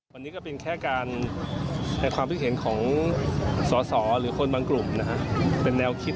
วันนี้ก็เป็นแค่การให้ความคิดเห็นของสอสอหรือคนบางกลุ่มนะฮะเป็นแนวคิด